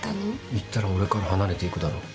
言ったら俺から離れていくだろ。